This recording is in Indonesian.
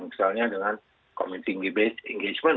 misalnya dengan community engagement